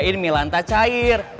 ini milanta cair